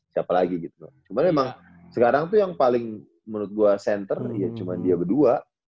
siapa lagi gitu cuman emang sekarang tuh yang paling menurut gue center ya cuma dia berdua